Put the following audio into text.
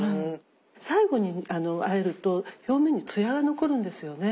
最後にあえると表面に艶が残るんですよね。